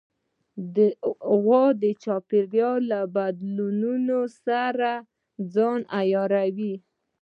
غوا د چاپېریال له بدلونونو سره ځان عیاروي.